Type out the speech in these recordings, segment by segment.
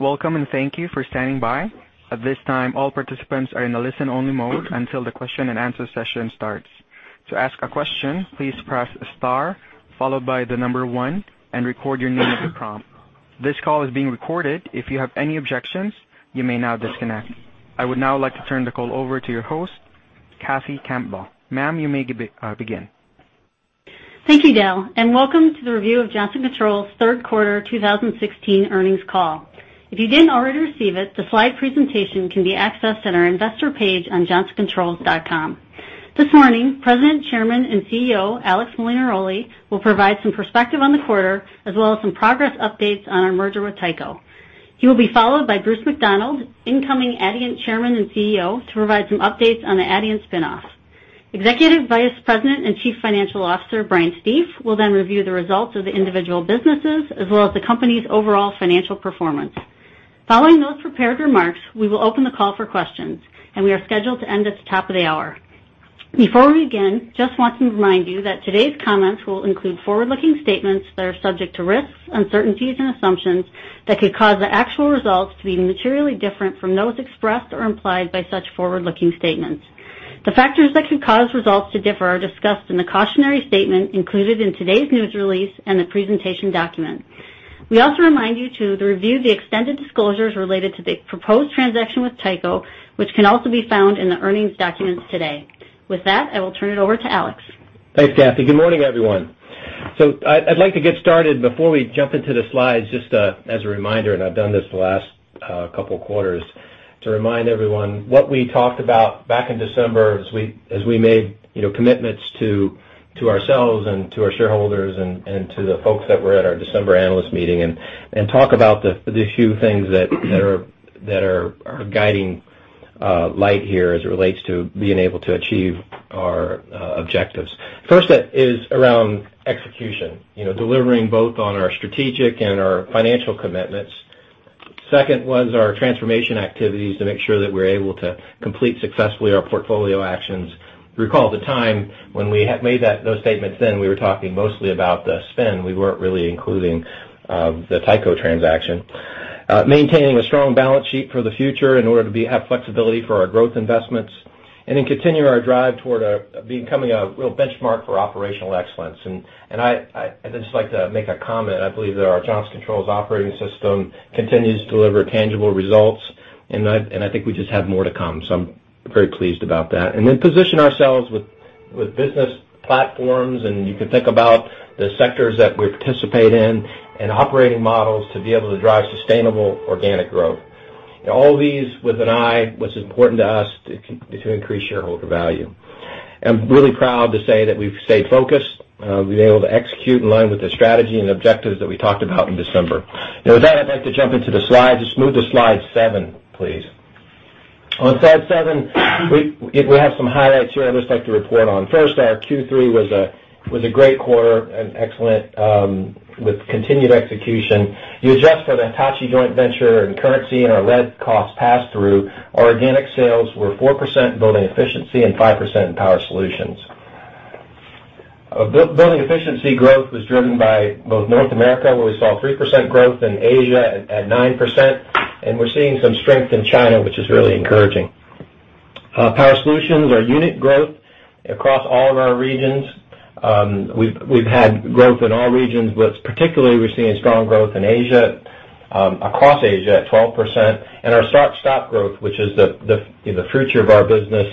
Welcome, and thank you for standing by. At this time, all participants are in a listen-only mode until the question and answer session starts. To ask a question, please press star 1 and record your name at the prompt. This call is being recorded. If you have any objections, you may now disconnect. I would now like to turn the call over to your host, Cathy Campbell. Ma'am, you may begin. Thank you, Dale, and welcome to the review of Johnson Controls' third quarter 2016 earnings call. If you didn't already receive it, the slide presentation can be accessed on our investor page on johnsoncontrols.com. This morning, President, Chairman, and CEO Alex Molinaroli will provide some perspective on the quarter as well as some progress updates on our merger with Tyco. He will be followed by Bruce McDonald, incoming Adient Chairman and CEO, to provide some updates on the Adient spin-off. Executive Vice President and Chief Financial Officer Brian Stief will then review the results of the individual businesses as well as the company's overall financial performance. Following those prepared remarks, we will open the call for questions. We are scheduled to end at the top of the hour. Before we begin, I just want to remind you that today's comments will include forward-looking statements that are subject to risks, uncertainties, and assumptions that could cause the actual results to be materially different from those expressed or implied by such forward-looking statements. The factors that could cause results to differ are discussed in the cautionary statement included in today's news release and the presentation document. We also remind you to review the extended disclosures related to the proposed transaction with Tyco, which can also be found in the earnings documents today. With that, I will turn it over to Alex. Thanks, Cathy. Good morning, everyone. I'd like to get started before we jump into the slides, just as a reminder. I've done this the last couple of quarters, to remind everyone what we talked about back in December as we made commitments to ourselves and to our shareholders and to the folks that were at our December analyst meeting. Talk about the few things that are our guiding light here as it relates to being able to achieve our objectives. First is around execution. Delivering both on our strategic and our financial commitments. Second was our transformation activities to make sure that we're able to complete successfully our portfolio actions. Recall at the time when we made those statements then, we were talking mostly about the spin. We weren't really including the Tyco transaction. Maintaining a strong balance sheet for the future in order to have flexibility for our growth investments. Continue our drive toward becoming a real benchmark for operational excellence. I'd just like to make a comment. I believe that our Johnson Controls Operating System continues to deliver tangible results, and I think we just have more to come. I'm very pleased about that. Position ourselves with business platforms, and you can think about the sectors that we participate in and operating models to be able to drive sustainable organic growth. All these with an eye, what's important to us to increase shareholder value. I'm really proud to say that we've stayed focused. We've been able to execute in line with the strategy and objectives that we talked about in December. With that, I'd like to jump into the slides. Just move to slide seven, please. On slide seven, we have some highlights here I'd just like to report on. First, our Q3 was a great quarter and excellent with continued execution. You adjust for the Hitachi joint venture and currency and our lead cost passthrough, our organic sales were 4% in Building Efficiency and 5% in Power Solutions. Building Efficiency growth was driven by both North America, where we saw 3% growth, and Asia at 9%. We're seeing some strength in China, which is really encouraging. Power Solutions, our unit growth across all of our regions. We've had growth in all regions, but particularly we're seeing strong growth in Asia, across Asia at 12%. Our start-stop growth, which is the future of our business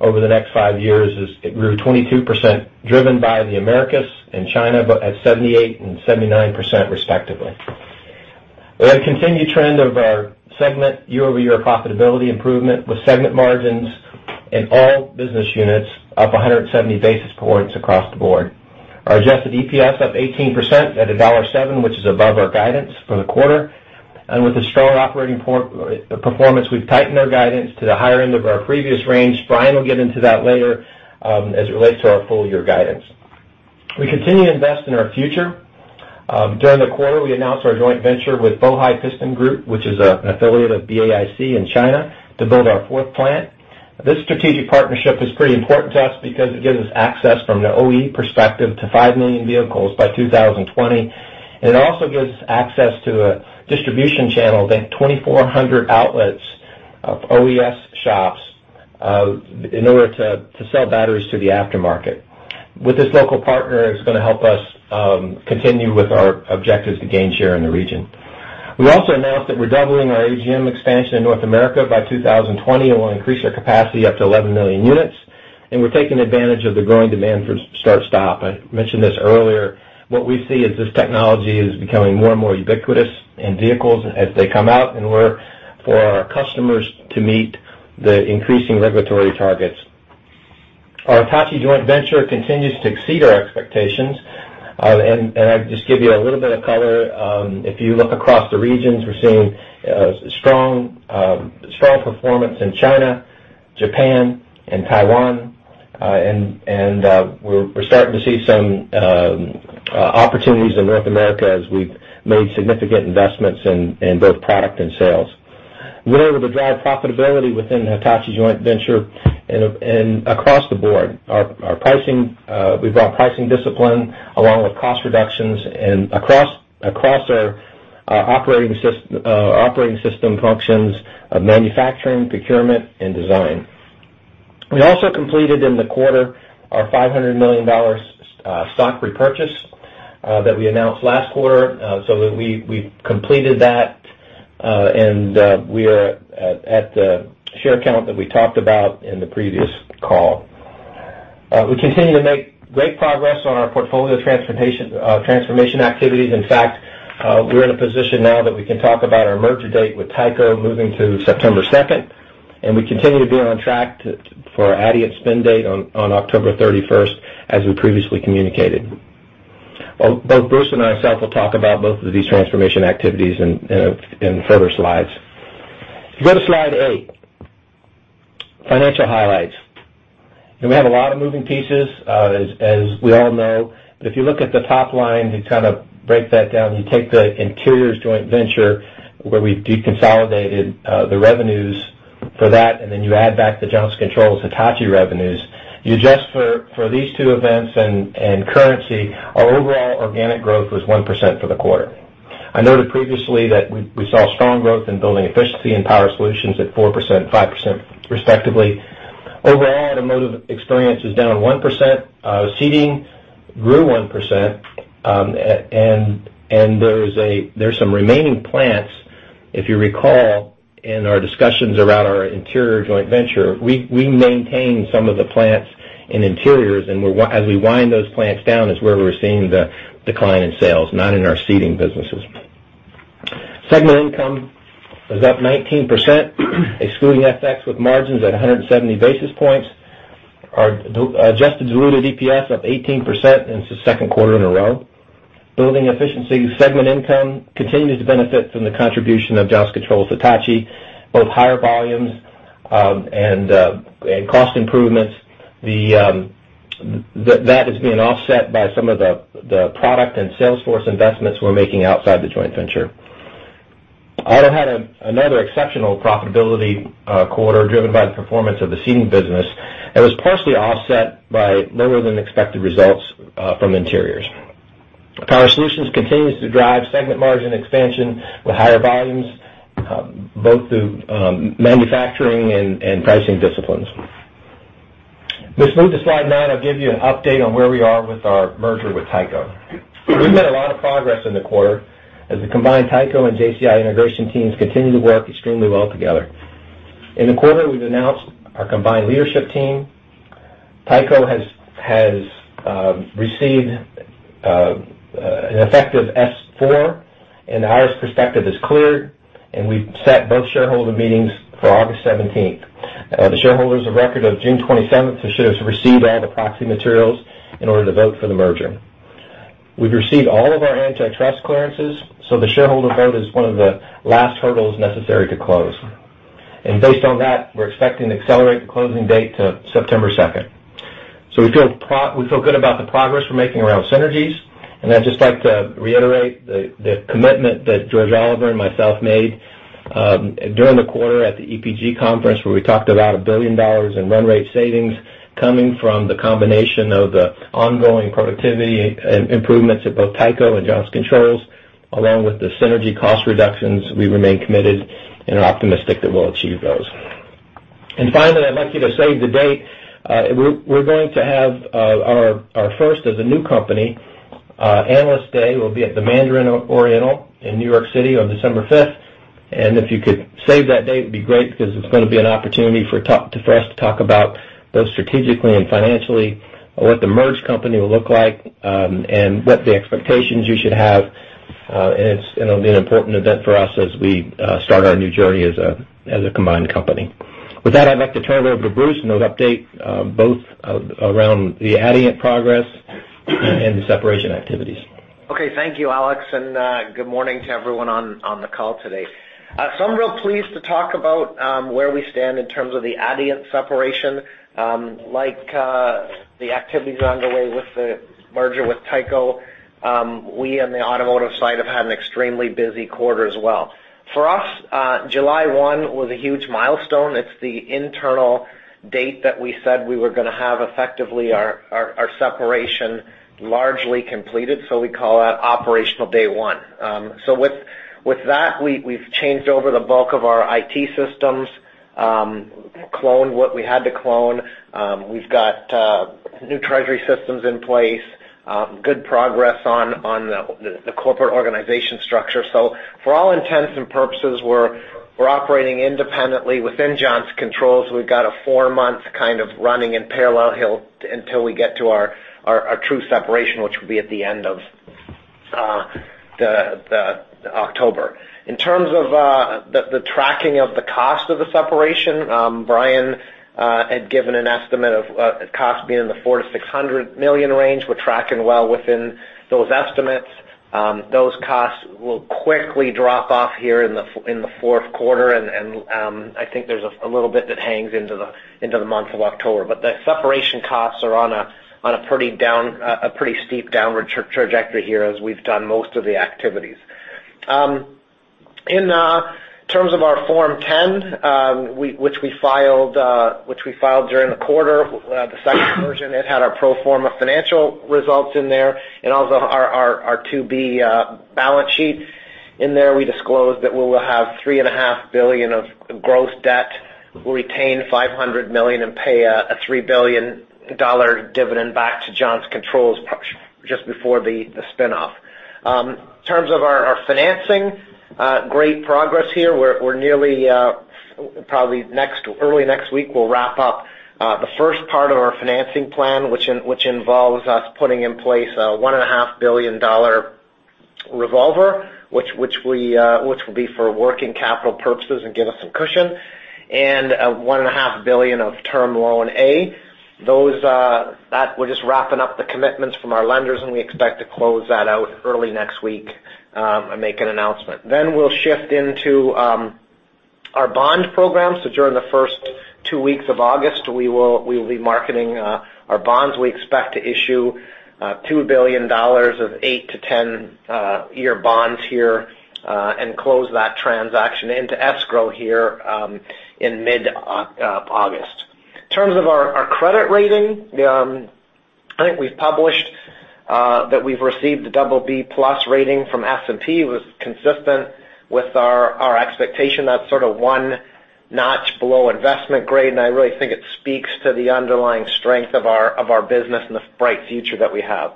over the next five years, it grew 22%, driven by the Americas and China at 78% and 79%, respectively. We had a continued trend of our segment year-over-year profitability improvement with segment margins in all business units up 170 basis points across the board. Our adjusted EPS up 18% at $1.07, which is above our guidance for the quarter. With the strong operating performance, we've tightened our guidance to the higher end of our previous range. Brian will get into that later as it relates to our full-year guidance. We continue to invest in our future. During the quarter, we announced our joint venture with Bohai Piston Group, which is an an affiliate of BAIC in China, to build our fourth plant. This strategic partnership is pretty important to us because it gives us access from the OE perspective to five million vehicles by 2020. It also gives us access to a distribution channel. They have 2,400 outlets of OES shops in order to sell batteries to the aftermarket. With this local partner, it's going to help us continue with our objectives to gain share in the region. We also announced that we're doubling our AGM expansion in North America. By 2020, it will increase our capacity up to 11 million units, and we're taking advantage of the growing demand for start-stop. I mentioned this earlier. What we see is this technology is becoming more and more ubiquitous in vehicles as they come out and for our customers to meet the increasing regulatory targets. Our Hitachi joint venture continues to exceed our expectations. I'll just give you a little bit of color. If you look across the regions, we're seeing strong performance in China, Japan, and Taiwan. We're starting to see some opportunities in North America as we've made significant investments in both product and sales. We're able to drive profitability within the Hitachi joint venture and across the board. We've got pricing discipline along with cost reductions and across our operating system functions of manufacturing, procurement, and design. We also completed in the quarter our $500 million stock repurchase that we announced last quarter, so that we've completed that, and we are at the share count that we talked about in the previous call. We continue to make great progress on our portfolio transformation activities. In fact, we're in a position now that we can talk about our merger date with Tyco moving to September 2nd. We continue to be on track for our Adient spin date on October 31st, as we previously communicated. Both Bruce and I will talk about both of these transformation activities in further slides. If you go to slide eight, financial highlights. We have a lot of moving pieces, as we all know. If you look at the top line, you break that down, you take the Interiors joint venture, where we've deconsolidated the revenues for that, then you add back the Johnson Controls Hitachi revenues. You adjust for these two events and currency, our overall organic growth was 1% for the quarter. I noted previously that we saw strong growth in Building Efficiency and Power Solutions at 4% and 5% respectively. Overall, Automotive Experience is down 1%. Seating grew 1%. There's some remaining plants, if you recall, in our discussions around our Interiors joint venture. We maintain some of the plants in Interiors, and as we wind those plants down is where we're seeing the decline in sales, not in our Seating businesses. Segment income was up 19%, excluding FX with margins at 170 basis points. Our adjusted diluted EPS up 18%, and it's the second quarter in a row. Building Efficiency segment income continues to benefit from the contribution of Johnson Controls Hitachi, both higher volumes and cost improvements. That is being offset by some of the product and sales force investments we're making outside the joint venture. Auto had another exceptional profitability quarter driven by the performance of the Seating business, and was partially offset by lower than expected results from Interiors. Power Solutions continues to drive segment margin expansion with higher volumes, both through manufacturing and pricing disciplines. Let's move to slide nine. I'll give you an update on where we are with our merger with Tyco. We've made a lot of progress in the quarter as the combined Tyco and JCI integration teams continue to work extremely well together. In the quarter, we've announced our combined leadership team. Tyco has received an effective S-4, and the IRS perspective is cleared, and we've set both shareholder meetings for August 17th. The shareholders of record of June 27th should have received all the proxy materials in order to vote for the merger. We've received all of our antitrust clearances, the shareholder vote is one of the last hurdles necessary to close. Based on that, we're expecting to accelerate the closing date to September 2nd. We feel good about the progress we're making around synergies, I'd just like to reiterate the commitment that George Oliver and myself made during the quarter at the Electrical Products Group Conference, where we talked about $1 billion in run rate savings coming from the combination of the ongoing productivity improvements at both Tyco and Johnson Controls, along with the synergy cost reductions. We remain committed and are optimistic that we'll achieve those. Finally, I'd like you to save the date. We're going to have our first as a new company, Analyst Day will be at the Mandarin Oriental, New York on December 5th. If you could save that date, it'd be great because it's going to be an opportunity for us to talk about both strategically and financially what the merged company will look like, and what the expectations you should have. It'll be an important event for us as we start our new journey as a combined company. With that, I'd like to turn it over to Bruce, and he'll update both around the Adient progress and the separation activities. Thank you, Alex. Good morning to everyone on the call today. I'm real pleased to talk about where we stand in terms of the Adient separation. Like the activities are underway with the merger with Tyco, we on the Automotive side have had an extremely busy quarter as well. For us, July 1 was a huge milestone. It's the internal date that we said we were going to have effectively our separation largely completed. We call that operational day one. With that, we've changed over the bulk of our IT systems, cloned what we had to clone. We've got new treasury systems in place, good progress on the corporate organization structure. For all intents and purposes, we're operating independently within Johnson Controls. We've got a four-month kind of running and parallel Hill until we get to our true separation, which will be at the end of October. In terms of the tracking of the cost of the separation, Brian had given an estimate of cost being in the $400 million-$600 million range. We're tracking well within those estimates. Those costs will quickly drop off here in the fourth quarter, and I think there's a little bit that hangs into the month of October. The separation costs are on a pretty steep downward trajectory here as we've done most of the activities. In terms of our Form 10, which we filed during the quarter, the second version, it had our pro forma financial results in there and also our to-be balance sheet. In there, we disclosed that we will have $3.5 billion of gross debt, retain $500 million, and pay a $3 billion dividend back to Johnson Controls just before the spin-off. In terms of our financing, great progress here. Probably early next week, we'll wrap up the first part of our financing plan, which involves us putting in place a $1.5 billion revolver, which will be for working capital purposes and give us some cushion, and a $1.5 billion of term loan A. That we're just wrapping up the commitments from our lenders, and we expect to close that out early next week and make an announcement. We'll shift into our bond program. During the first two weeks of August, we will be marketing our bonds. We expect to issue $2 billion of 8-10-year bonds here and close that transaction into escrow here in mid-August. In terms of our credit rating, I think we've published that we've received the BB+ rating from S&P. It was consistent with our expectation. That's sort of one notch below investment grade, and I really think it speaks to the underlying strength of our business and the bright future that we have.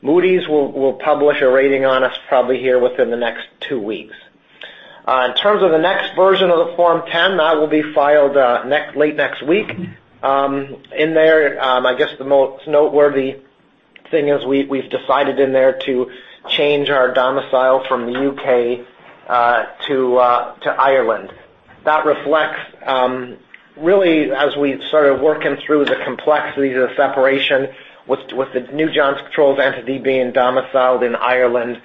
Moody's will publish a rating on us probably here within the next two weeks. In terms of the next version of the Form 10, that will be filed late next week. In there, I guess, the most noteworthy thing is we've decided in there to change our domicile from the U.K. to Ireland. That reflects really as we started working through the complexities of the separation with the new Johnson Controls entity being domiciled in Ireland.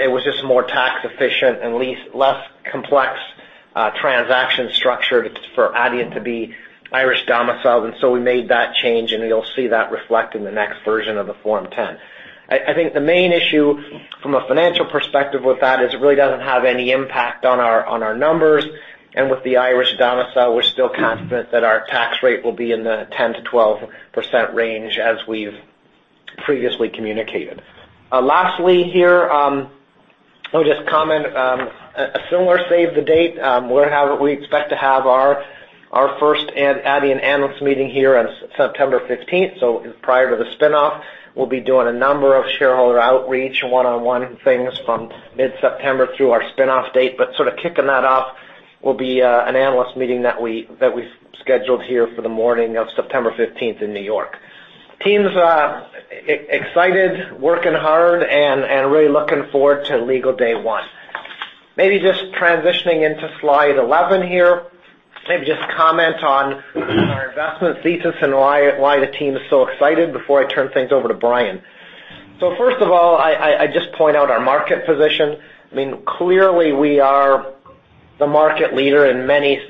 It was just more tax efficient and less complex transaction structure for Adient to be Irish domiciled. We made that change, and you'll see that reflect in the next version of the Form 10. I think the main issue from a financial perspective with that is it really doesn't have any impact on our numbers. With the Irish domicile, we're still confident that our tax rate will be in the 10%-12% range as we've previously communicated. Lastly here, let me just comment, a similar save the date. We expect to have our first Adient analyst meeting here on September 15th. Prior to the spin-off, we'll be doing a number of shareholder outreach, one-on-one things from mid-September through our spin-off date. Sort of kicking that off will be an analyst meeting that we've scheduled here for the morning of September 15th in New York. Teams are excited, working hard, and really looking forward to legal day one. Maybe just transitioning into slide 11 here. Maybe just comment on our investment thesis and why the team is so excited before I turn things over to Brian. First of all, I just point out our market position. Clearly, we are the market leader in many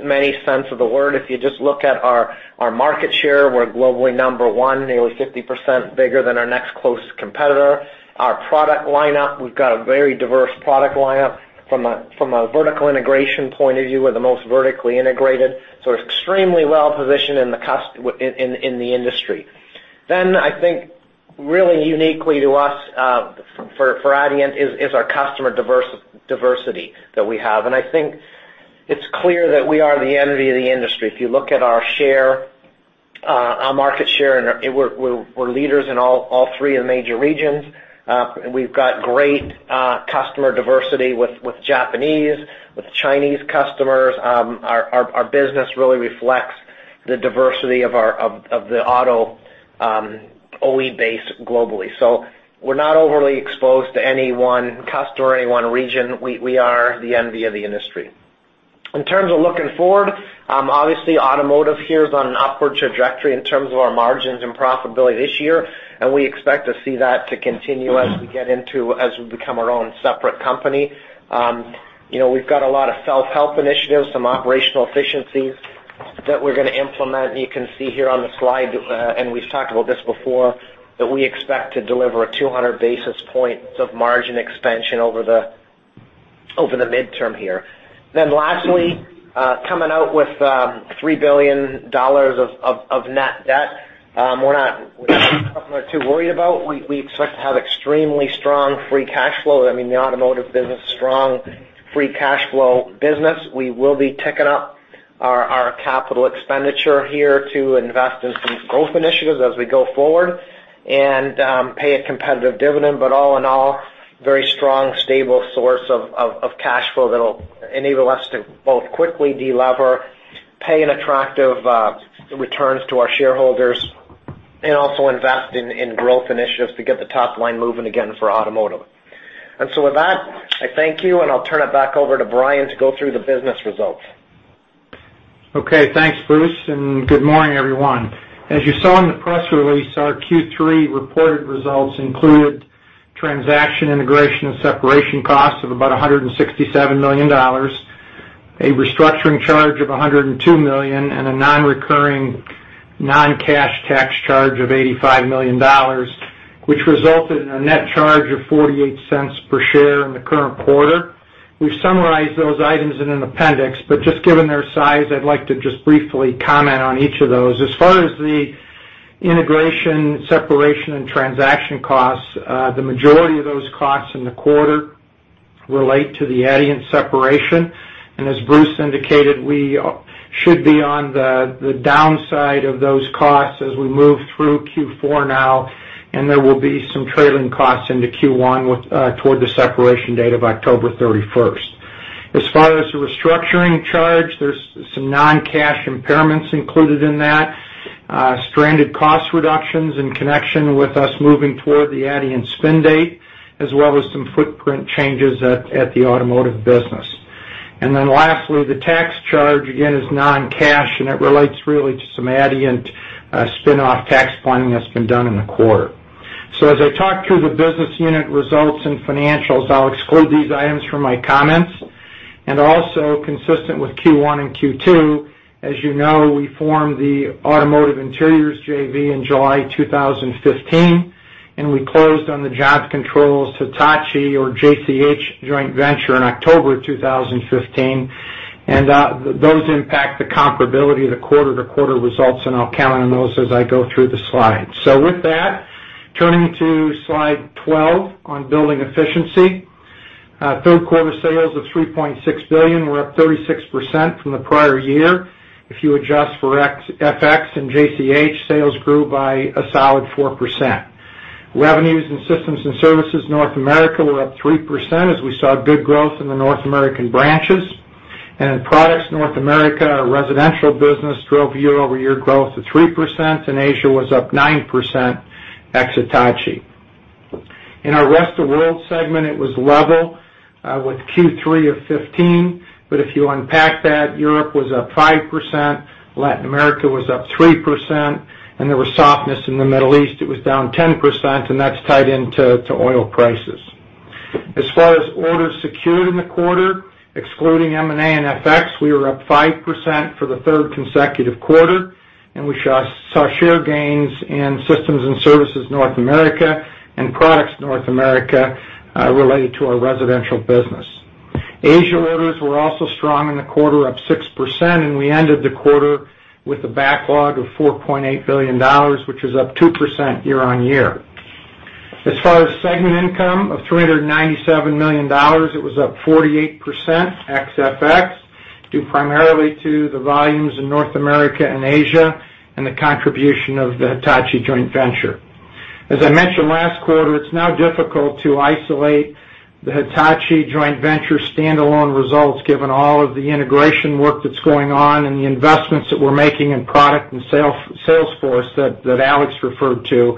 sense of the word. If you just look at our market share, we're globally number one, nearly 50% bigger than our next closest competitor. Our product lineup, we've got a very diverse product lineup. From a vertical integration point of view, we're the most vertically integrated, so we're extremely well-positioned in the industry. I think really uniquely to us for Adient is our customer diversity that we have. I think it's clear that we are the envy of the industry. If you look at our market share, we're leaders in all three of the major regions. We've got great customer diversity with Japanese, with Chinese customers. Our business really reflects the diversity of the auto OE base globally. We're not overly exposed to any one customer or any one region. We are the envy of the industry. In terms of looking forward, obviously automotive here is on an upward trajectory in terms of our margins and profitability this year. We expect to see that to continue as we become our own separate company. We've got a lot of self-help initiatives, some operational efficiencies that we're going to implement. You can see here on the slide, we've talked about this before, that we expect to deliver a 200 basis points of margin expansion over the midterm here. Lastly, coming out with $3 billion of net debt, we're not too worried about. We expect to have extremely strong free cash flow. I mean, the automotive business is a strong free cash flow business. We will be ticking up our capital expenditure here to invest in some growth initiatives as we go forward and pay a competitive dividend. All in all, very strong, stable source of cash flow that'll enable us to both quickly de-lever, pay an attractive returns to our shareholders, and also invest in growth initiatives to get the top line moving again for automotive. With that, I thank you, and I'll turn it back over to Brian to go through the business results. Thanks, Bruce, good morning, everyone. As you saw in the press release, our Q3 reported results included transaction integration and separation costs of about $167 million, a restructuring charge of $102 million and a nonrecurring non-cash tax charge of $85 million, which resulted in a net charge of $0.48 per share in the current quarter. We've summarized those items in an appendix, just given their size, I'd like to just briefly comment on each of those. As far as the integration, separation, and transaction costs, the majority of those costs in the quarter relate to the Adient separation. As Bruce indicated, we should be on the downside of those costs as we move through Q4 now, and there will be some trailing costs into Q1 toward the separation date of October 31st. As far as the restructuring charge, there's some non-cash impairments included in that. Stranded cost reductions in connection with us moving toward the Adient spin date, as well as some footprint changes at the automotive business. Lastly, the tax charge, again, is non-cash, and it relates really to some Adient spinoff tax planning that's been done in the quarter. As I talk through the business unit results and financials, I'll exclude these items from my comments. Also consistent with Q1 and Q2, as you know, we formed the Automotive Interiors JV in July 2015. We closed on the Johnson Controls Hitachi or JCH joint venture in October 2015, and those impact the comparability of the quarter-to-quarter results. I'll comment on those as I go through the slides. With that, turning to slide 12 on Building Efficiency. Third quarter sales of $3.6 billion, we're up 36% from the prior year. If you adjust for FX and JCH, sales grew by a solid 4%. Revenues in Systems and Services North America were up 3% as we saw good growth in the North American branches. In Products North America, our residential business drove year-over-year growth to 3%, and Asia was up 9% ex Hitachi. In our Rest of World segment, it was level with Q3 of 2015. If you unpack that, Europe was up 5%, Latin America was up 3%, and there was softness in the Middle East. It was down 10%, and that's tied into oil prices. As far as orders secured in the quarter, excluding M&A and FX, we were up 5% for the third consecutive quarter, and we saw share gains in Systems and Services North America and Products North America related to our residential business. Asia orders were also strong in the quarter, up 6%, and we ended the quarter with a backlog of $4.8 billion, which is up 2% year-on-year. As far as segment income of $397 million, it was up 48% ex FX, due primarily to the volumes in North America and Asia and the contribution of the Hitachi joint venture. As I mentioned last quarter, it's now difficult to isolate the Hitachi joint venture standalone results given all of the integration work that's going on and the investments that we're making in product and sales force that Alex referred to.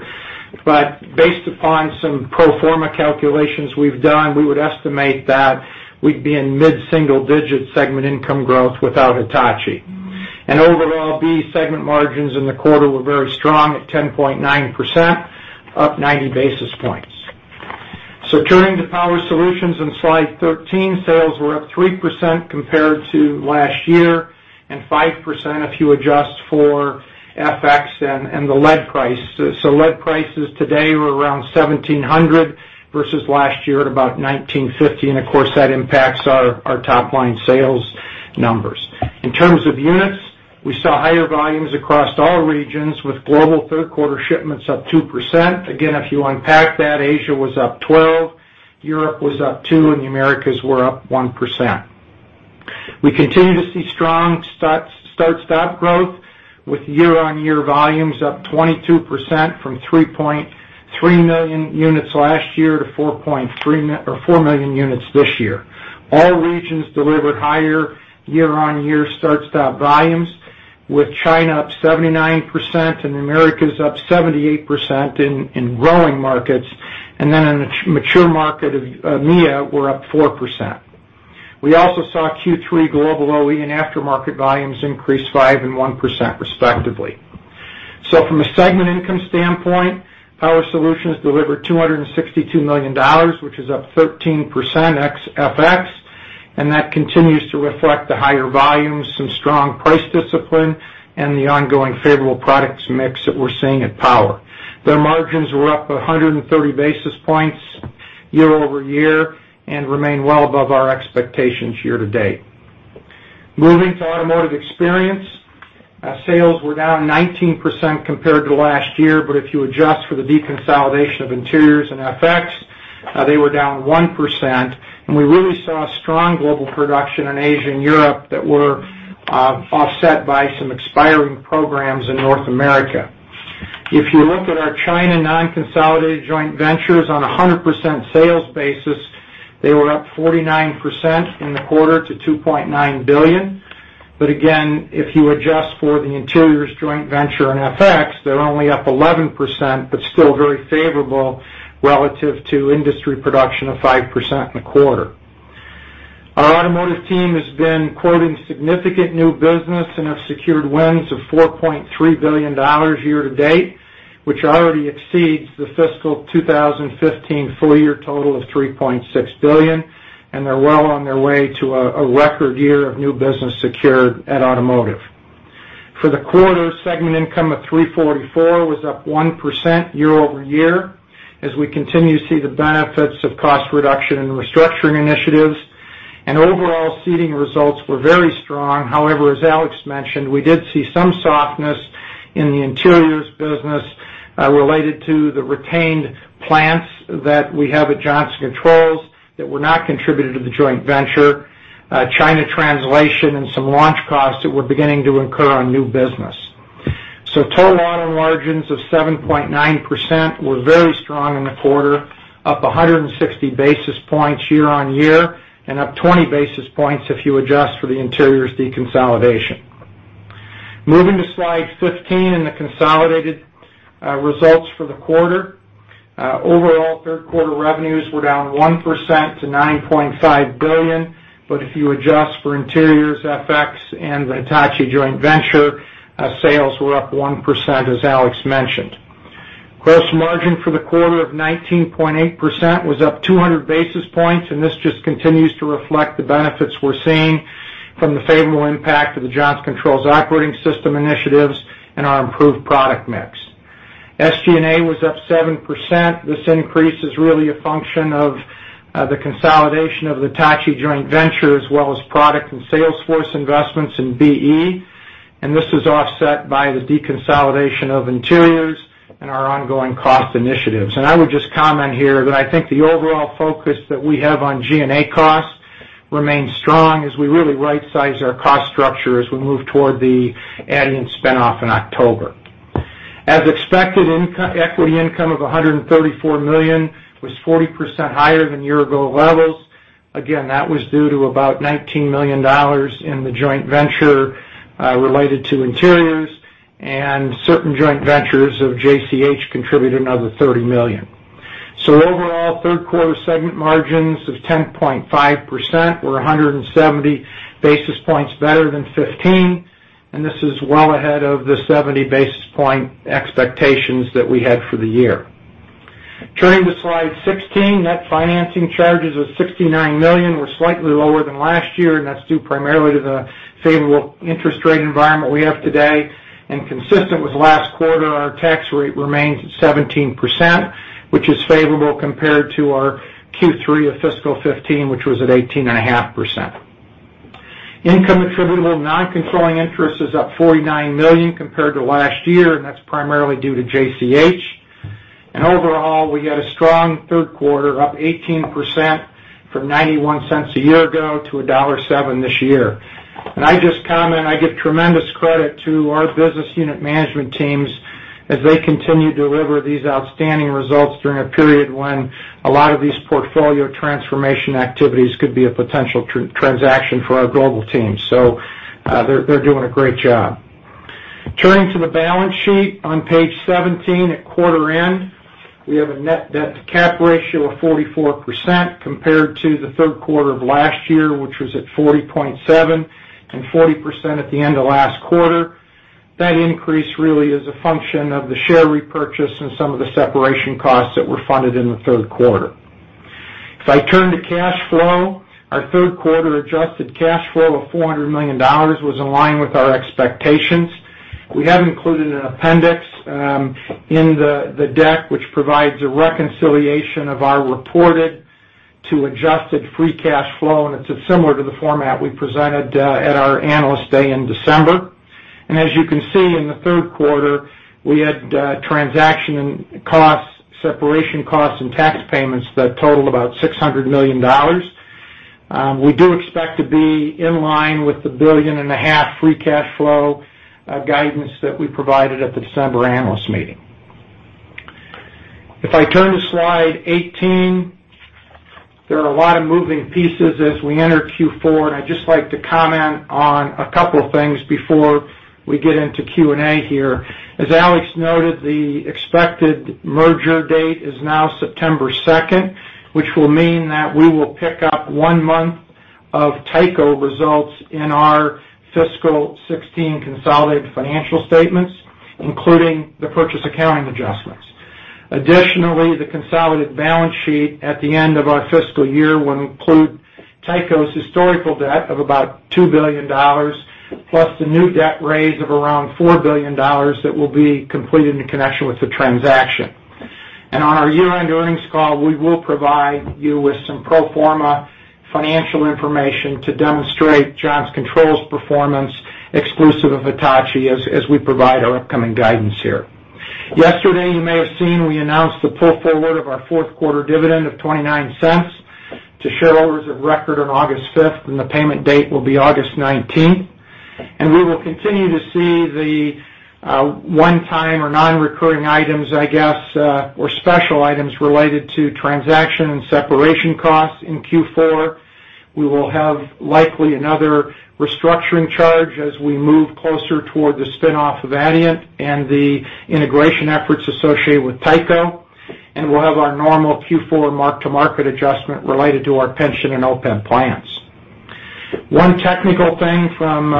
Based upon some pro forma calculations we've done, we would estimate that we'd be in mid-single-digit segment income growth without Hitachi. Overall, BE segment margins in the quarter were very strong at 10.9%, up 90 basis points. Turning to Power Solutions in slide 13, sales were up 3% compared to last year and 5% if you adjust for FX and the lead price. Lead prices today were around $1,700 versus last year at about $1,950, and of course, that impacts our top-line sales numbers. In terms of units, we saw higher volumes across all regions, with global third quarter shipments up 2%. Again, if you unpack that, Asia was up 12%, Europe was up 2%, and the Americas were up 1%. We continue to see strong start-stop growth with year-on-year volumes up 22% from 3.3 million units last year to 4 million units this year. All regions delivered higher year-on-year start-stop volumes, with China up 79% and Americas up 78% in growing markets. Then in the mature market of EMEA, we're up 4%. We also saw Q3 global OE and aftermarket volumes increase 5% and 1% respectively. From a segment income standpoint, Power Solutions delivered $262 million, which is up 13% ex FX, and that continues to reflect the higher volumes, some strong price discipline, and the ongoing favorable products mix that we're seeing at Power. Their margins were up 130 basis points year-over-year and remain well above our expectations year to date. Moving to Automotive Experience. Sales were down 19% compared to last year, if you adjust for the deconsolidation of interiors and FX, they were down 1%. We really saw strong global production in Asia and Europe that were offset by some expiring programs in North America. If you look at our China non-consolidated joint ventures on 100% sales basis, they were up 49% in the quarter to $2.9 billion. Again, if you adjust for the interiors joint venture and FX, they're only up 11%, but still very favorable relative to industry production of 5% in the quarter. Our Automotive team has been quoting significant new business and have secured wins of $4.3 billion year-to-date. Which already exceeds the fiscal 2015 full year total of $3.6 billion, and they're well on their way to a record year of new business secured at Automotive. For the quarter, segment income of $344 million was up 1% year-over-year as we continue to see the benefits of cost reduction and restructuring initiatives. Overall, seating results were very strong. However, as Alex mentioned, we did see some softness in the interiors business related to the retained plants that we have at Johnson Controls that were not contributed to the joint venture, China translation, and some launch costs that we're beginning to incur on new business. Total Automotive margins of 7.9% were very strong in the quarter, up 160 basis points year-on-year, and up 20 basis points if you adjust for the interiors deconsolidation. Moving to slide 15 and the consolidated results for the quarter. Overall, third quarter revenues were down 1% to $9.5 billion, but if you adjust for interiors, FX, and the Hitachi joint venture, sales were up 1%, as Alex mentioned. Gross margin for the quarter of 19.8% was up 200 basis points, this just continues to reflect the benefits we're seeing from the favorable impact of the Johnson Controls Operating System initiatives and our improved product mix. SG&A was up 7%. This increase is really a function of the consolidation of the Hitachi joint venture, as well as product and salesforce investments in BE. This is offset by the deconsolidation of interiors and our ongoing cost initiatives. I would just comment here that I think the overall focus that we have on G&A costs remains strong as we really right-size our cost structure as we move toward the Adient spin-off in October. As expected, equity income of $134 million was 40% higher than year-ago levels. Again, that was due to about $19 million in the joint venture related to interiors and certain joint ventures of JCH contribute another $30 million. Overall, third quarter segment margins of 10.5% were 170 basis points better than 2015, this is well ahead of the 70 basis points expectations that we had for the year. Turning to slide 16, net financing charges of $69 million were slightly lower than last year, that's due primarily to the favorable interest rate environment we have today. Consistent with last quarter, our tax rate remains at 17%, which is favorable compared to our Q3 of fiscal 2015, which was at 18.5%. Income attributable to non-controlling interest is up $49 million compared to last year, that's primarily due to JCH. Overall, we had a strong third quarter, up 18% from $0.91 a year ago to $1.07 this year. I just comment, I give tremendous credit to our business unit management teams as they continue to deliver these outstanding results during a period when a lot of these portfolio transformation activities could be a potential transaction for our global team. They're doing a great job. Turning to the balance sheet on page 17 at quarter end. We have a net debt to cap ratio of 44% compared to the third quarter of last year, which was at 40.7% and 40% at the end of last quarter. That increase really is a function of the share repurchase and some of the separation costs that were funded in the third quarter. If I turn to cash flow, our third quarter adjusted cash flow of $400 million was in line with our expectations. We have included an appendix in the deck, which provides a reconciliation of our reported to adjusted free cash flow, and it's similar to the format we presented at our Analyst Day in December. As you can see in the third quarter, we had transaction costs, separation costs, and tax payments that totaled about $600 million. We do expect to be in line with the billion and a half free cash flow guidance that we provided at the December analyst meeting. If I turn to slide 18, there are a lot of moving pieces as we enter Q4, I'd just like to comment on a couple of things before we get into Q&A here. As Alex noted, the expected merger date is now September 2nd, which will mean that we will pick up one month of Tyco results in our fiscal 2016 consolidated financial statements, including the purchase accounting adjustments. Additionally, the consolidated balance sheet at the end of our fiscal year will include Tyco's historical debt of about $2 billion, plus the new debt raise of around $4 billion that will be completed in connection with the transaction. On our year-end earnings call, we will provide you with some pro forma financial information to demonstrate Johnson Controls' performance exclusive of Hitachi as we provide our upcoming guidance here. Yesterday, you may have seen we announced the pull forward of our fourth quarter dividend of $0.29 to shareholders of record on August 5th, and the payment date will be August 19th. We will continue to see the one-time or non-recurring items, I guess, or special items related to transaction and separation costs in Q4. We will have likely another restructuring charge as we move closer toward the spin-off of Adient and the integration efforts associated with Tyco. We'll have our normal Q4 mark-to-market adjustment related to our pension and OPEB plans. One technical thing from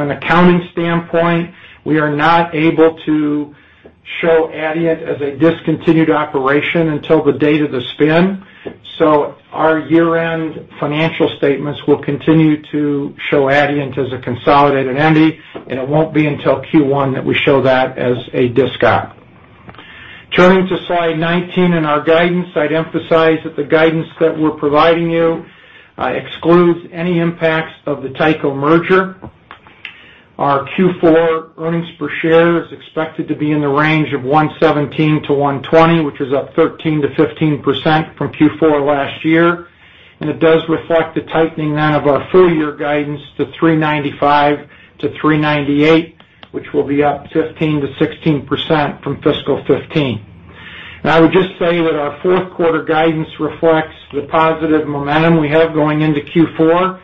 an accounting standpoint, we are not able to show Adient as a discontinued operation until the date of the spin. Our year-end financial statements will continue to show Adient as a consolidated entity, and it won't be until Q1 that we show that as a dis-op. Turning to slide 19 and our guidance, I'd emphasize that the guidance that we're providing you excludes any impacts of the Tyco merger. Our Q4 earnings per share is expected to be in the range of $1.17 to $1.20, which is up 13%-15% from Q4 last year. It does reflect the tightening then of our full-year guidance to $3.95-$3.98, which will be up 15%-16% from fiscal 2015. I would just say that our fourth quarter guidance reflects the positive momentum we have going into Q4,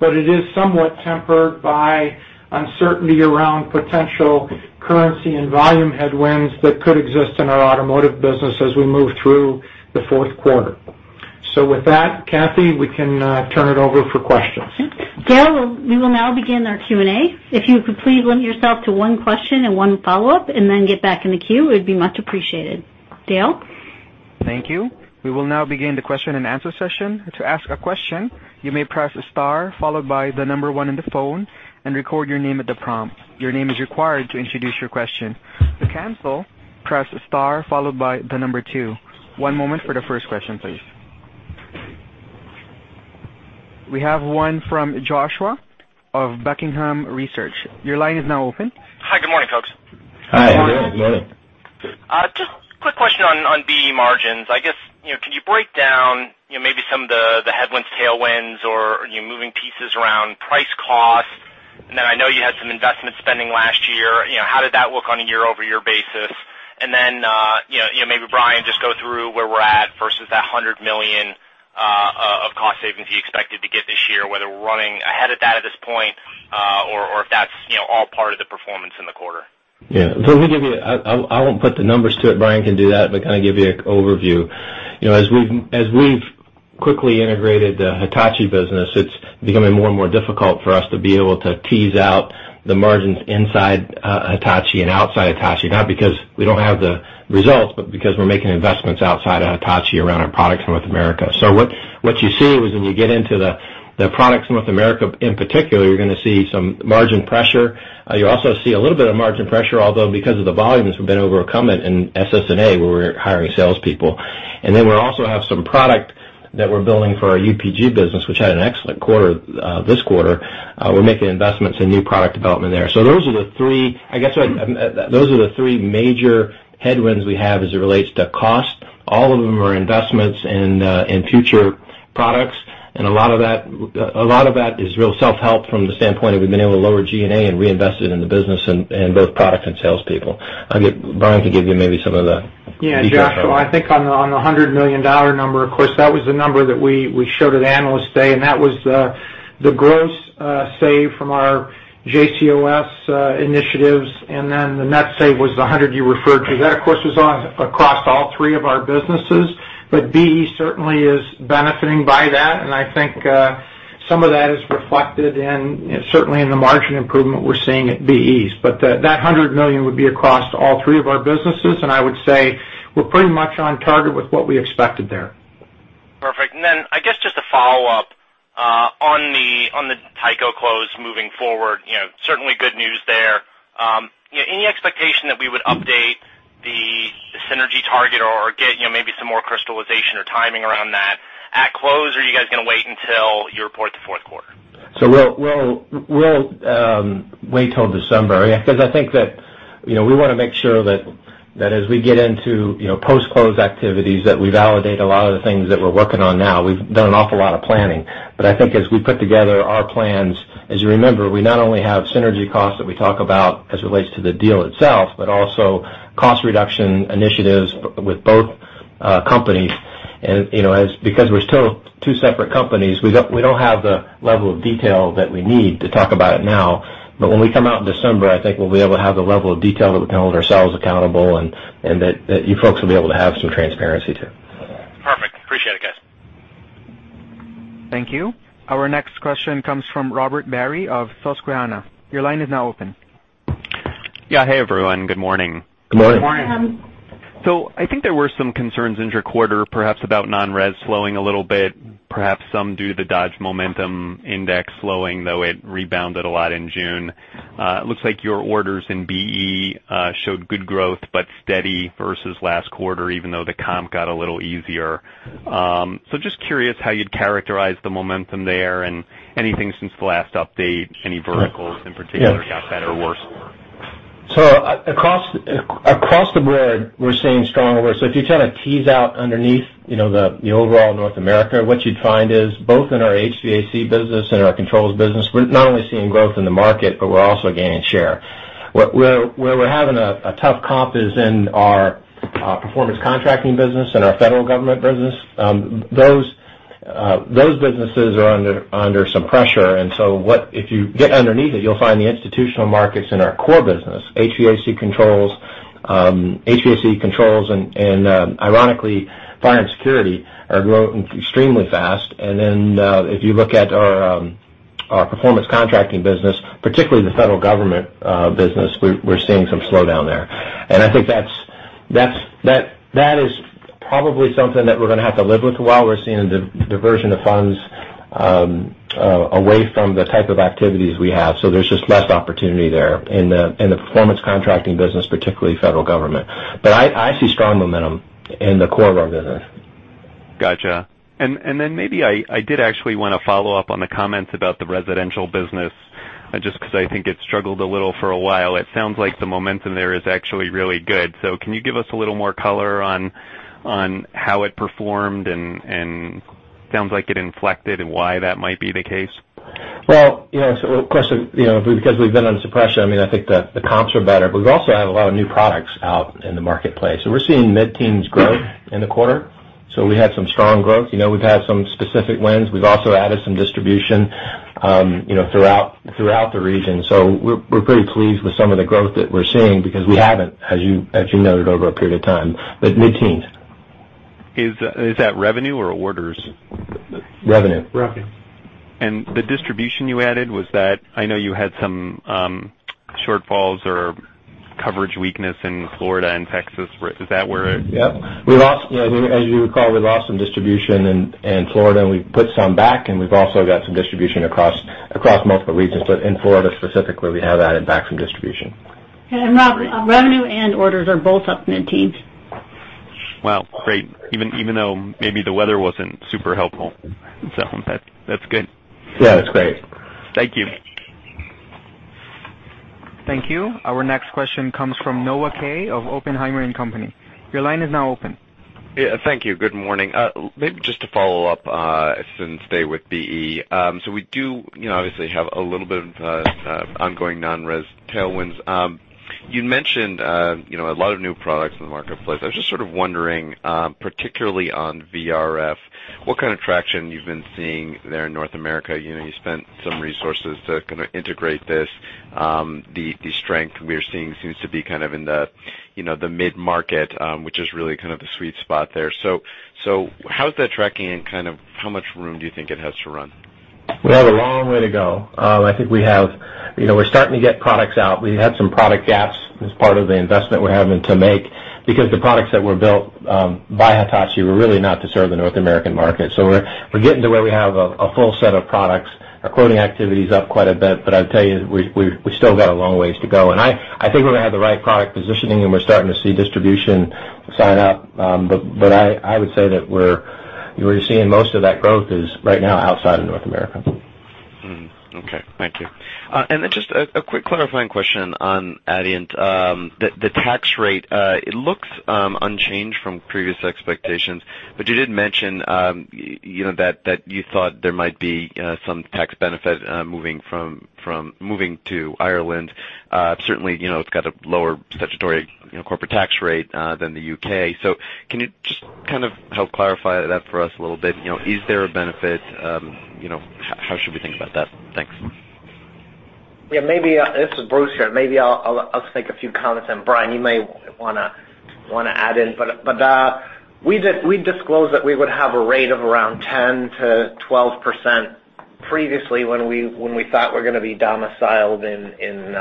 but it is somewhat tempered by uncertainty around potential currency and volume headwinds that could exist in our automotive business as we move through the fourth quarter. With that, Cathy, we can turn it over for questions. Dale, we will now begin our Q&A. If you could please limit yourself to one question and one follow-up, then get back in the queue, it would be much appreciated. Dale? Thank you. We will now begin the question and answer session. To ask a question, you may press star followed by the number one on the phone and record your name at the prompt. Your name is required to introduce your question. To cancel, press star followed by the number two. One moment for the first question, please. We have one from Joshua of Buckingham Research. Your line is now open. Hi. Good morning, folks. Hi. Good morning. Just a quick question on BE margins. I guess, can you break down maybe some of the headwinds, tailwinds, or are you moving pieces around price cost? I know you had some investment spending last year. How did that look on a year-over-year basis? Maybe Brian, just go through where we're at versus that $100 million of cost savings you expected to get this year, whether we're running ahead of that at this point, or if that's all part of the performance in the quarter. Yeah. Let me give you, I won't put the numbers to it, Brian can do that, but kind of give you an overview. As we've quickly integrated the Hitachi business, it's becoming more and more difficult for us to be able to tease out the margins inside Hitachi and outside Hitachi, not because we don't have the results, but because we're making investments outside of Hitachi around our products in North America. What you see is when you get into the Products North America in particular, you're going to see some margin pressure. You also see a little bit of margin pressure, although, because of the volumes we've been overcoming in SSNA, where we're hiring salespeople. We also have some product that we're building for our UPG business, which had an excellent quarter this quarter. We're making investments in new product development there. Those are the three major headwinds we have as it relates to cost. All of them are investments in future products, and a lot of that is real self-help from the standpoint of we've been able to lower G&A and reinvest it in the business in both products and salespeople. Brian can give you maybe some of the details. Yeah. Joshua, I think on the $100 million number, of course, that was the number that we showed at Analyst Day, and that was the gross save from our JCOS initiatives. The net save was the $100 you referred to. That, of course, was across all three of our businesses. BE certainly is benefiting by that, and I think some of that is reflected certainly in the margin improvement we're seeing at BE. That $100 million would be across all three of our businesses, and I would say we're pretty much on target with what we expected there. Perfect. I guess just a follow-up on the Tyco close moving forward, certainly good news there. Any expectation that we would update the synergy target or get maybe some more crystallization or timing around that at close, or are you guys going to wait until you report the fourth quarter? We'll wait till December. Because I think that we want to make sure that as we get into post-close activities, that we validate a lot of the things that we're working on now. We've done an awful lot of planning. I think as we put together our plans, as you remember, we not only have synergy costs that we talk about as it relates to the deal itself, but also cost reduction initiatives with both companies. Because we're still two separate companies, we don't have the level of detail that we need to talk about it now. When we come out in December, I think we'll be able to have the level of detail that we can hold ourselves accountable and that you folks will be able to have some transparency too. Perfect. Appreciate it, guys. Thank you. Our next question comes from Robert Barry of Susquehanna. Your line is now open. Yeah. Hey, everyone. Good morning. Good morning. Good morning. I think there were some concerns inter-quarter, perhaps about non-res slowing a little bit, perhaps some due to the Dodge Momentum Index slowing, though it rebounded a lot in June. It looks like your orders in BE showed good growth, but steady versus last quarter, even though the comp got a little easier. Just curious how you'd characterize the momentum there and anything since the last update, any verticals, in particular, got better or worse? Across the board, we're seeing strong orders. If you kind of tease out underneath the overall North America, what you'd find is both in our HVAC business and our controls business, we're not only seeing growth in the market, but we're also gaining share. Where we're having a tough comp is in our performance contracting business and our federal government business. Those businesses are under some pressure, if you get underneath it, you'll find the institutional markets in our core business, HVAC controls and, ironically, fire and security are growing extremely fast. If you look at our performance contracting business, particularly the federal government business, we're seeing some slowdown there. I think that is probably something that we're going to have to live with a while. We're seeing a diversion of funds away from the type of activities we have. There's just less opportunity there in the performance contracting business, particularly federal government. I see strong momentum in the core of our business. Got you. Maybe I did actually want to follow up on the comments about the residential business, just because I think it struggled a little for a while. It sounds like the momentum there is actually really good. Can you give us a little more color on how it performed and sounds like it inflected and why that might be the case? Well, yes. Of course, because we've been under suppression, I think the comps are better. We also have a lot of new products out in the marketplace. We're seeing mid-teens growth in the quarter. We had some strong growth. We've had some specific wins. We've also added some distribution throughout the region. We're pretty pleased with some of the growth that we're seeing because we haven't, as you noted, over a period of time, but mid-teens. Is that revenue or orders? Revenue. Revenue. The distribution you added was that, I know you had some shortfalls or coverage weakness in Florida and Texas. Is that where? Yes. As you recall, we lost some distribution in Florida, and we put some back, and we've also got some distribution across multiple regions. In Florida specifically, we have added back some distribution. Rob, revenue and orders are both up mid-teens. Wow, great. Even though maybe the weather wasn't super helpful. That's good. Yeah, that's great. Thank you. Thank you. Our next question comes from Noah Kaye of Oppenheimer and Company. Your line is now open. Yeah, thank you. Good morning. Maybe just to follow up and stay with BE. We do obviously have a little bit of ongoing non-res tailwinds. You mentioned a lot of new products in the marketplace. I was just sort of wondering, particularly on VRF, what kind of traction you've been seeing there in North America. You spent some resources to kind of integrate this. The strength we are seeing seems to be kind of in the mid-market, which is really kind of the sweet spot there. How's that tracking and kind of how much room do you think it has to run? We have a long way to go. I think we're starting to get products out. We had some product gaps as part of the investment we're having to make because the products that were built by Hitachi were really not to serve the North American market. We're getting to where we have a full set of products. Our quoting activity is up quite a bit, but I'll tell you, we still got a long ways to go. I think when we have the right product positioning, and we're starting to see distribution sign up. I would say that where you're seeing most of that growth is right now outside of North America. Okay. Thank you. Just a quick clarifying question on Adient. The tax rate, it looks unchanged from previous expectations. You did mention that you thought there might be some tax benefit moving to Ireland. Certainly, it's got a lower statutory corporate tax rate than the U.K. Can you just kind of help clarify that for us a little bit? Is there a benefit? How should we think about that? Thanks. Yeah, this is Bruce here. Maybe I'll take a few comments and Brian, you may want to add in. We disclosed that we would have a rate of around 10%-12% previously when we thought we're going to be domiciled in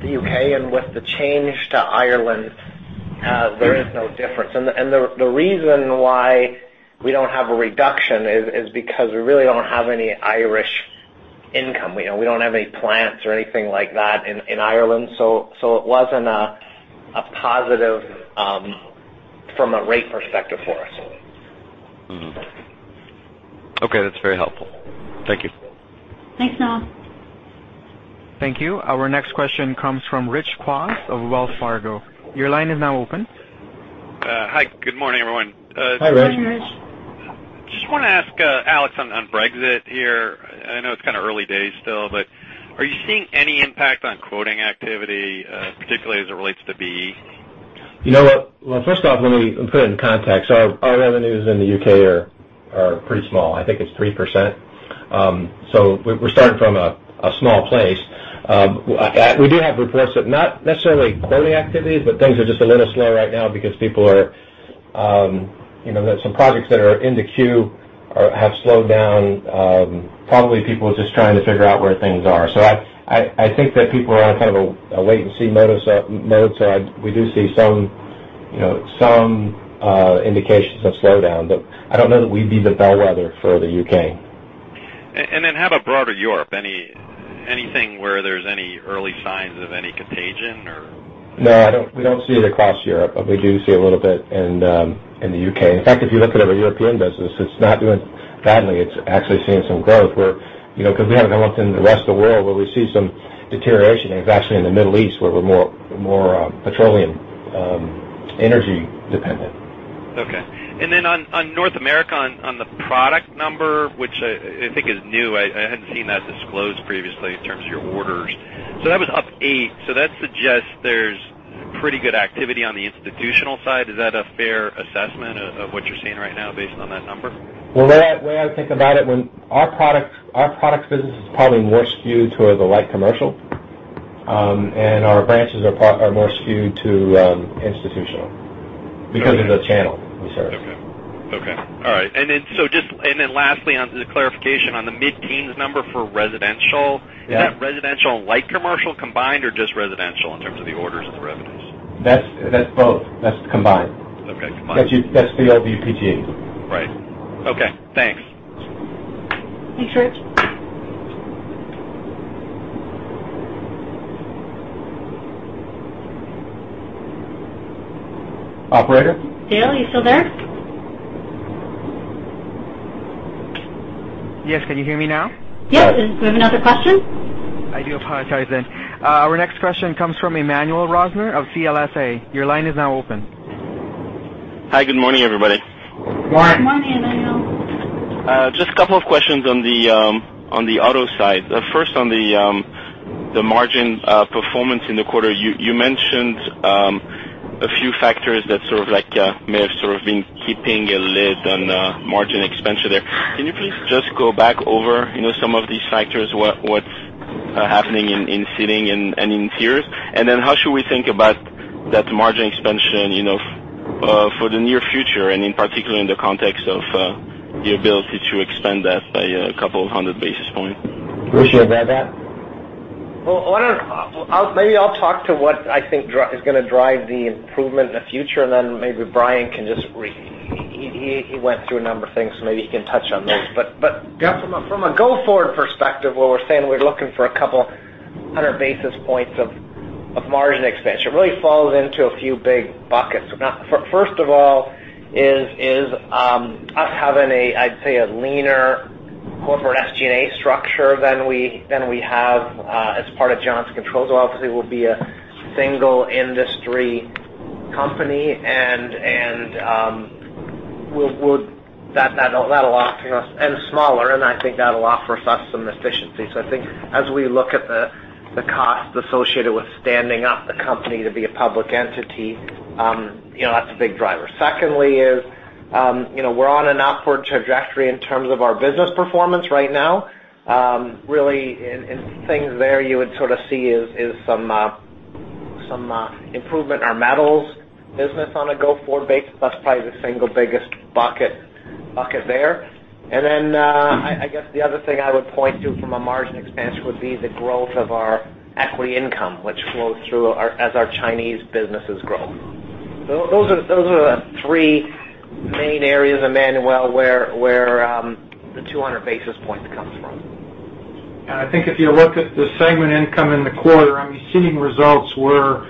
the U.K., and with the change to Ireland, there is no difference. The reason why we don't have a reduction is because we really don't have any Irish income. We don't have any plants or anything like that in Ireland. It wasn't a positive from a rate perspective for us. Okay. That's very helpful. Thank you. Thanks, Noah. Thank you. Our next question comes from Rich Kwas of Wells Fargo. Your line is now open. Hi, good morning, everyone. Hi, Rich. Good morning, Rich. Just want to ask Alex on Brexit here. I know it's kind of early days still, are you seeing any impact on quoting activity, particularly as it relates to BE? You know what? Well, first off, let me put it in context. Our revenues in the U.K. are pretty small. I think it's 3%. We're starting from a small place. We do have reports that not necessarily quoting activities, but things are just a little slow right now because there's some projects that are in the queue have slowed down. Probably people just trying to figure out where things are. I think that people are in kind of a wait and see mode. We do see some indications of slowdown, but I don't know that we'd be the bellwether for the U.K. How about broader Europe? Anything where there's any early signs of any contagion or No, we don't see it across Europe, but we do see a little bit in the U.K. In fact, if you look at our European business, it's not doing badly. It's actually seeing some growth where, because we haven't looked into the rest of the world where we see some deterioration, and it's actually in the Middle East where we're more petroleum energy dependent. Okay. Then on North America, on the product number, which I think is new, I hadn't seen that disclosed previously in terms of your orders. That was up eight. That suggests there's pretty good activity on the institutional side. Is that a fair assessment of what you're seeing right now based on that number? Well, the way I think about it, our products business is probably more skewed toward the light commercial. Our branches are more skewed to institutional because of the channel we serve. Okay. All right. Then lastly, on the clarification on the mid-teens number for residential. Yeah. Is that residential and light commercial combined, or just residential in terms of the orders and the revenues? That's both. That's combined. Okay. Combined. That's the old UPG. Right. Okay, thanks. Thanks, Rich. Operator? Dale, are you still there? Yes. Can you hear me now? Yes. Do we have another question? I do apologize. Our next question comes from Emmanuel Rosner of CLSA. Your line is now open. Hi. Good morning, everybody. Morning. Morning, Emmanuel. Just a couple of questions on the auto side. First, on the margin performance in the quarter, you mentioned a few factors that may have sort of been keeping a lid on margin expansion there. Can you please just go back over some of these factors, what's happening in seating and in interiors? How should we think about that margin expansion for the near future and in particular in the context of your ability to expand that by a couple of hundred basis points? Are you sure about that? Maybe I'll talk to what I think is going to drive the improvement in the future, then maybe Brian can just -- he went through a number of things, so maybe he can touch on those. From a go-forward perspective, where we're saying we're looking for 200 basis points of margin expansion, really falls into a few big buckets. First of all is us having, I'd say, a leaner corporate SG&A structure than we have as part of Johnson Controls. Obviously, we'll be a single industry company, and smaller, and I think that'll offer us some efficiency. I think as we look at the cost associated with standing up the company to be a public entity, that's a big driver. Secondly is we're on an upward trajectory in terms of our business performance right now. In things there you would sort of see is some improvement in our metals business on a go-forward basis. That's probably the single biggest bucket there. Then I guess the other thing I would point to from a margin expansion would be the growth of our equity income, which flows through as our Chinese businesses grow. Those are the three main areas, Emmanuel, where the 200 basis points comes from. I think if you look at the segment income in the quarter, seating results were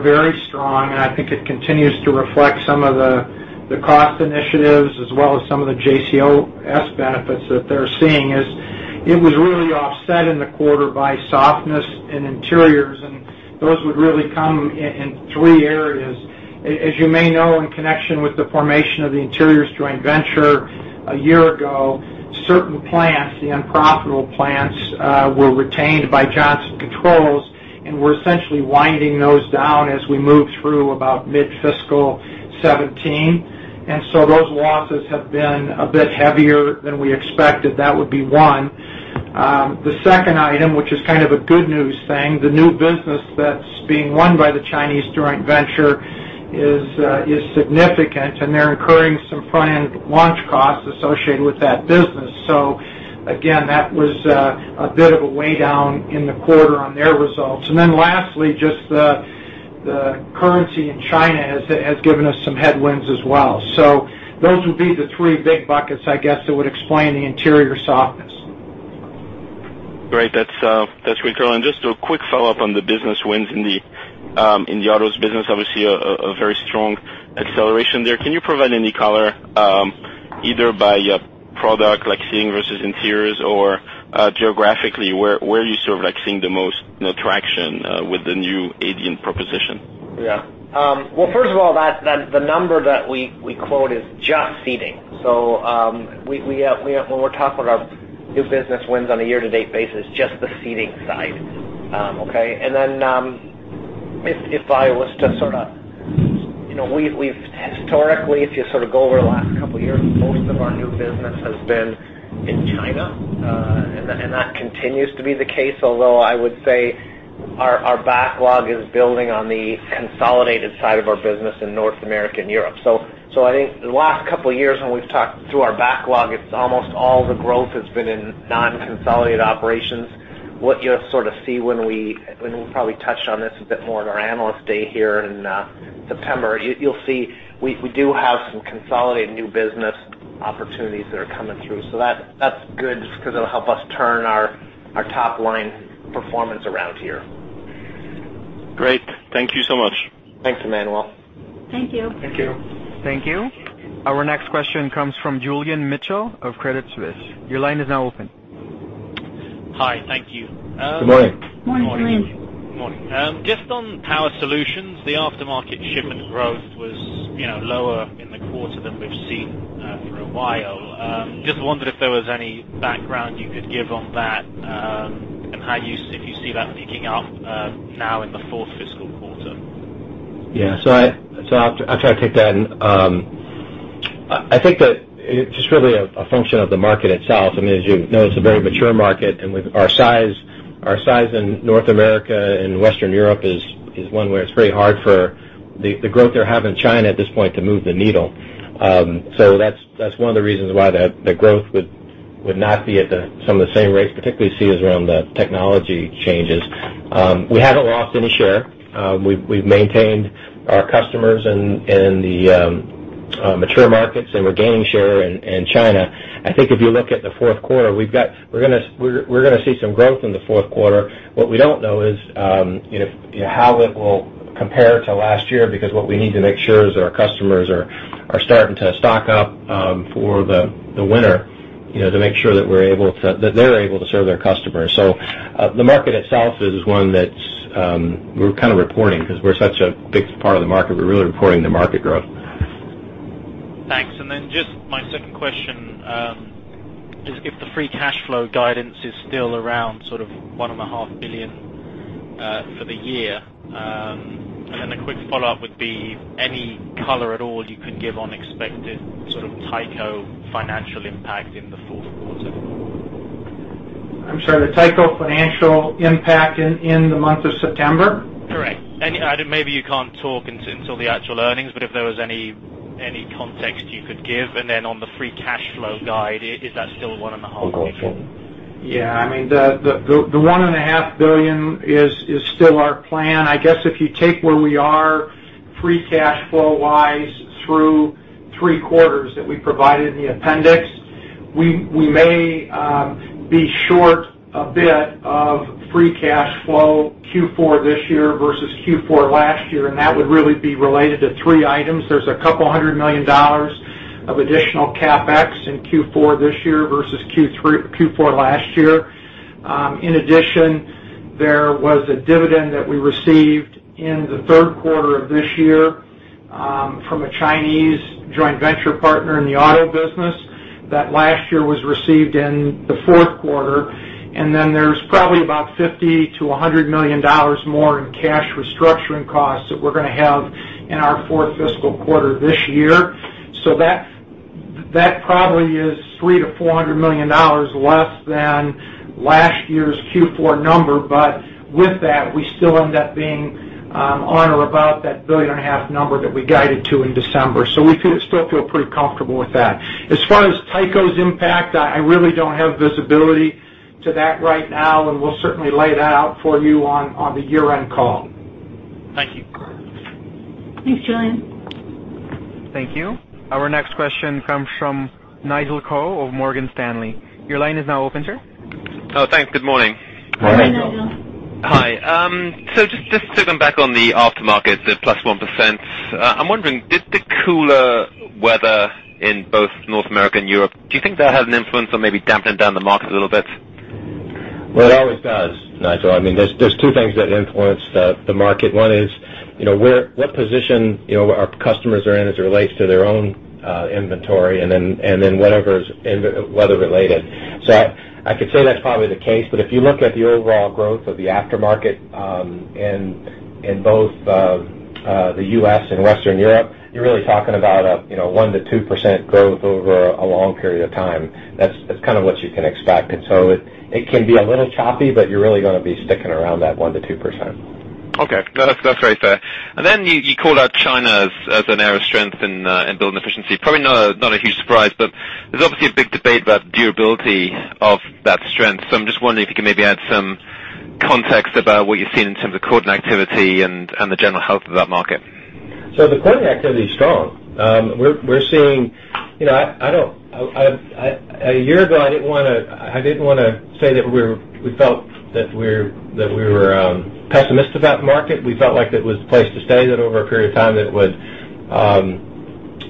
very strong, and I think it continues to reflect some of the cost initiatives as well as some of the JCOS benefits that they're seeing is it was really offset in the quarter by softness in interiors, and those would really come in three areas. As you may know, in connection with the formation of the interiors joint venture a year ago, certain plants, the unprofitable plants, were retained by Johnson Controls, and we're essentially winding those down as we move through about mid-fiscal 2017. Those losses have been a bit heavier than we expected. That would be one. The second item, which is kind of a good news thing, the new business that's being won by the Chinese joint venture is significant, and they're incurring some front-end launch costs associated with that business. Again, that was a bit of a weigh down in the quarter on their results. Lastly, just the currency in China has given us some headwinds as well. Those would be the three big buckets, I guess, that would explain the interior softness. Great. That's great color. Just a quick follow-up on the business wins in the autos business, obviously, a very strong acceleration there. Can you provide any color, either by product, like seating versus interiors, or geographically, where are you sort of seeing the most traction with the new Adient proposition? Well, first of all, the number that we quote is just seating. When we're talking about new business wins on a year-to-date basis, just the seating side. Okay? If I was to sort of, we've historically, if you sort of go over the last couple of years, most of our new business has been in China, and that continues to be the case, although I would say our backlog is building on the consolidated side of our business in North America and Europe. I think the last couple of years when we've talked through our backlog, it's almost all the growth has been in non-consolidated operations. What you'll sort of see when we, and we'll probably touch on this a bit more at our Analyst Day here in September, you'll see we do have some consolidated new business opportunities that are coming through. That's good because it'll help us turn our top-line performance around here. Great. Thank you so much. Thanks, Emmanuel. Thank you. Thank you. Thank you. Our next question comes from Julian Mitchell of Credit Suisse. Your line is now open. Hi. Thank you. Good morning. Morning, Julian. Good morning. Just on Power Solutions, the aftermarket shipment growth was lower in the quarter than we've seen for a while. Just wondered if there was any background you could give on that, and if you see that picking up now in the fourth fiscal quarter. Yeah. I'll try to take that. I think that it's just really a function of the market itself. I mean, as you know, it's a very mature market, and with our size in North America and Western Europe is one where it's very hard for the growth they have in China at this point to move the needle. That's one of the reasons why the growth would not be at some of the same rates, particularly, you see is around the technology changes. We haven't lost any share. We've maintained our customers in the mature markets, and we're gaining share in China. I think if you look at the fourth quarter, we're going to see some growth in the fourth quarter. What we don't know is how it will compare to last year, because what we need to make sure is our customers are starting to stock up for the winter, to make sure that they're able to serve their customers. The market itself is one that we're kind of reporting because we're such a big part of the market. We're really reporting the market growth. Thanks. Just my second question, if the free cash flow guidance is still around sort of one and a half billion for the year. A quick follow-up would be any color at all you can give on expected sort of Tyco financial impact in the fourth quarter. I'm sorry, the Tyco financial impact in the month of September? Correct. If there was any context you could give, on the free cash flow guide, is that still $1.5 billion? Yeah, the $1.5 billion is still our plan. I guess if you take where we are free cash flow-wise through three quarters that we provided in the appendix, we may be short a bit of free cash flow Q4 this year versus Q4 last year, and that would really be related to three items. There's $200 million of additional CapEx in Q4 this year versus Q4 last year. In addition, there was a dividend that we received in the third quarter of this year from a Chinese joint venture partner in the auto business that last year was received in the fourth quarter. There's probably about $50 million-$100 million more in cash restructuring costs that we're going to have in our fourth fiscal quarter this year. That probably is $300 million-$400 million less than last year's Q4 number. With that, we still end up being on or about that $1.5 billion number that we guided to in December. We still feel pretty comfortable with that. As far as Tyco's impact, I really don't have visibility to that right now, and we'll certainly lay that out for you on the year-end call. Thank you. Thanks, Julian. Thank you. Our next question comes from Nigel Coe of Morgan Stanley. Your line is now open, sir. Oh, thanks. Good morning. Hi, Nigel. Hi. Just circling back on the aftermarket, the plus 1%. I'm wondering, did the cooler weather in both North America and Europe, do you think that had an influence on maybe dampening down the market a little bit? It always does, Nigel. There are two things that influence the market. One is, what position our customers are in as it relates to their own inventory, and then whatever is weather-related. I could say that's probably the case. If you look at the overall growth of the aftermarket in both the U.S. and Western Europe, you're really talking about a 1%-2% growth over a long period of time. That's kind of what you can expect. It can be a little choppy, but you're really going to be sticking around that 1%-2%. Okay. No, that's very fair. You called out China as an area of strength in Building Efficiency. Probably not a huge surprise, but there's obviously a big debate about durability of that strength. I'm just wondering if you could maybe add some context about what you're seeing in terms of quoting activity and the general health of that market. The quoting activity is strong. A year ago, I didn't want to say that we felt that we were pessimistic about the market. We felt like it was the place to stay, that over a period of time,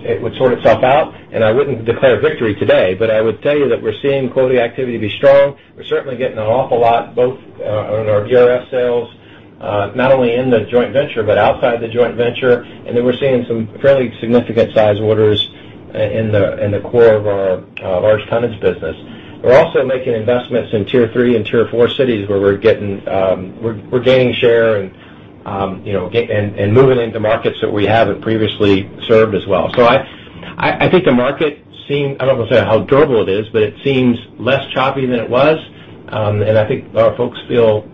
it would sort itself out. I wouldn't declare victory today, but I would tell you that we're seeing quoting activity be strong. We're certainly getting an awful lot, both on our DRS sales, not only in the joint venture, but outside the joint venture. We're seeing some fairly significant size orders in the core of our large tonnage business. We're also making investments in tier 3 and tier 4 cities where we're gaining share and moving into markets that we haven't previously served as well. I think the market seem, I don't want to say how durable it is, but it seems less choppy than it was. I think our folks feel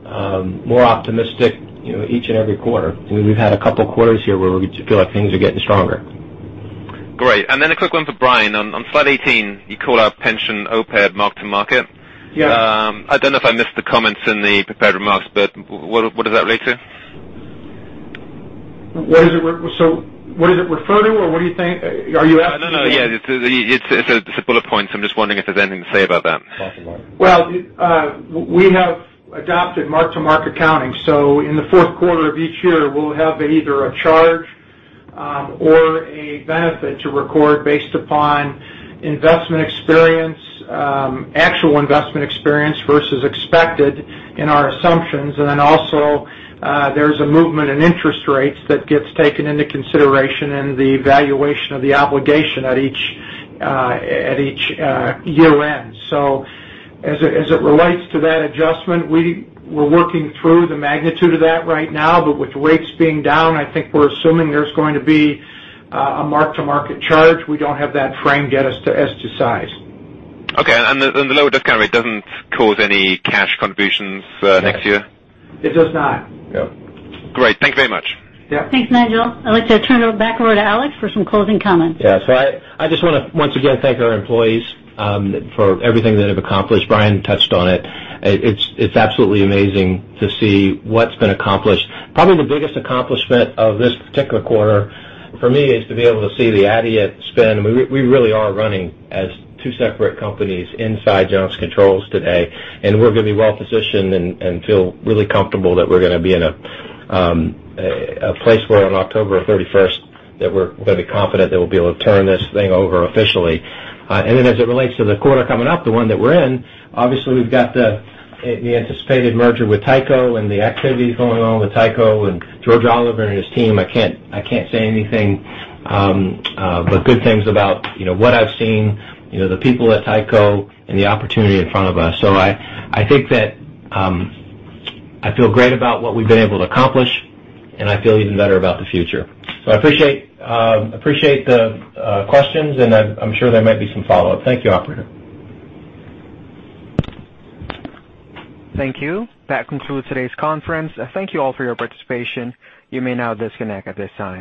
more optimistic, each and every quarter. We've had a couple of quarters here where we feel like things are getting stronger. Great. A quick one for Brian. On slide 18, you call out pension OPEB mark-to-market. Yeah. I don't know if I missed the comments in the prepared remarks, but what does that relate to? What does it refer to, or what do you think? Are you asking me? No. It's a bullet point, so I'm just wondering if there's anything to say about that. Talk about it. Well, we have adopted mark-to-market accounting. In the fourth quarter of each year, we'll have either a charge or a benefit to record based upon investment experience, actual investment experience versus expected in our assumptions. Also, there's a movement in interest rates that gets taken into consideration in the valuation of the obligation at each year-end. As it relates to that adjustment, we're working through the magnitude of that right now. With rates being down, I think we're assuming there's going to be a mark-to-market charge. We don't have that framed yet as to size. Okay. The lower discount rate doesn't cause any cash contributions next year? It does not. No. Great. Thank you very much. Yeah. Thanks, Nigel. I'd like to turn it back over to Alex for some closing comments. Yeah. I just want to once again thank our employees for everything they have accomplished. Brian touched on it. It's absolutely amazing to see what's been accomplished. Probably the biggest accomplishment of this particular quarter for me is to be able to see the Adient spin. We really are running as two separate companies inside Johnson Controls today, and we're going to be well-positioned and feel really comfortable that we're going to be in a place where on October 31st, that we're going to be confident that we'll be able to turn this thing over officially. As it relates to the quarter coming up, the one that we're in, obviously, we've got the anticipated merger with Tyco and the activities going on with Tyco and George Oliver and his team. I can't say anything but good things about what I've seen, the people at Tyco, and the opportunity in front of us. I think that I feel great about what we've been able to accomplish, and I feel even better about the future. I appreciate the questions, and I'm sure there might be some follow-up. Thank you, all. Thank you. That concludes today's conference. Thank you all for your participation. You may now disconnect at this time.